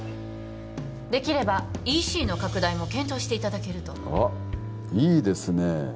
できればＥＣの拡大も検討していただけるとあっいいですね